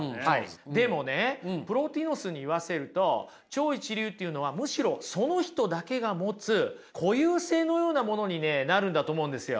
でもねプロティノスに言わせると超一流っていうのはむしろその人だけが持つ固有性のようなものにねなるんだと思うんですよ。